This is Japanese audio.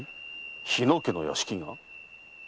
日野家の屋敷が？